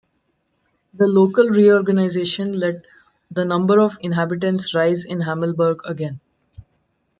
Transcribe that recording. The local reorganisation let the number of inhabitants rise in Hammelburg again.